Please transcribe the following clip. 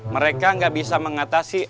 mereka gak bisa mengatasi